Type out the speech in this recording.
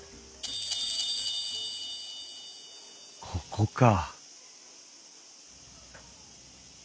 ここか。